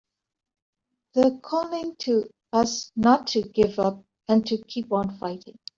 They're calling to us not to give up and to keep on fighting!